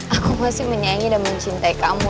aku masih menyanyi dan mencintai kamu